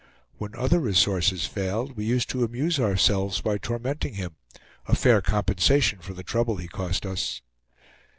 When other resources failed, we used to amuse ourselves by tormenting him; a fair compensation for the trouble he cost us.